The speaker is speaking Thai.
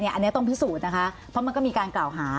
อันนี้ต้องพิสูจน์นะคะเพราะมันก็มีการกล่าวหา